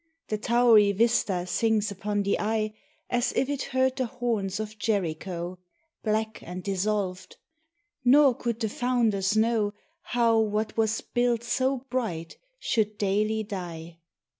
The towery vista sinks upon the eye, As if it heard the horns of Jericho, Black and dissolved; nor could the founders know How what was built so bright should daily die.